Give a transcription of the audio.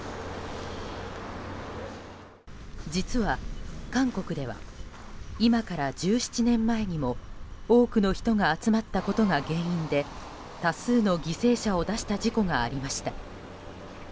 実は韓国では今から１７年前にも多くの人が集まったことが原因で多数の犠牲者を出した事故がありました。